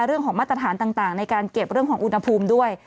เรื่องของมาตรฐานต่างในการเก็บเรื่องของอุณหภูมิด้วย